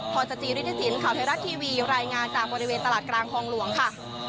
สจิริฐศิลปข่าวไทยรัฐทีวีรายงานจากบริเวณตลาดกลางคลองหลวงค่ะ